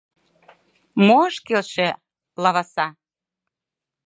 Мо ыш келше, лаваса?